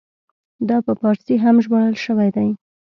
دا په فارسي هم ژباړل شوی دی.